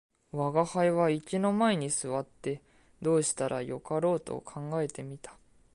吾輩は池の前に坐ってどうしたらよかろうと考えて見た